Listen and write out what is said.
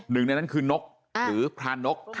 หนึ่งในนั้นคือนกหรือพรานก